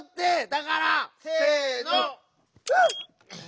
だから！せの。